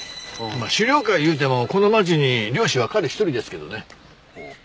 狩猟会いうてもこの町に猟師は彼一人ですけどね。